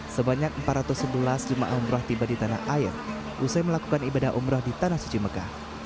sebanyak empat ratus sebelas jemaah umroh tiba di tanah air usai melakukan ibadah umroh di tanah suci mekah